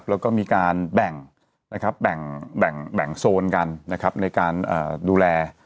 แล้วก็มีการแบ่งโซนกันนะครับในการดูแล